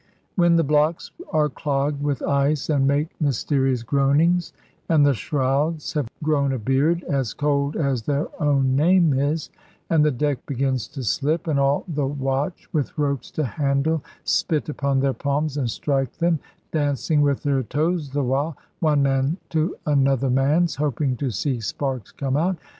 When the blocks are clogged with ice and make mysterious groanings, and the shrouds have grown a beard as cold as their own name is, and the deck begins to slip; and all the watch with ropes to handle, spit upon their palms, and strike them (dancing with their toes the while) one man to another man's, hoping to see sparks come out.